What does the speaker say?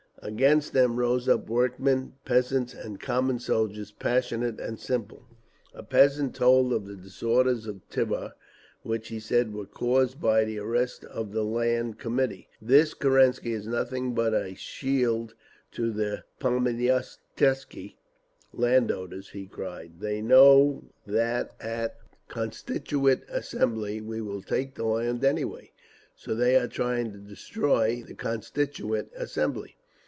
Against them rose up workmen, peasants and common soldiers, passionate and simple. A peasant told of the disorders in Tver, which he said were caused by the arrest of the Land Committees. "This Kerensky is nothing but a shield to the pomieshtchiki (landowners)," he cried. "They know that at the Constituent Assembly we will take the land anyway, so they are trying to destroy the Constituent Assembly!"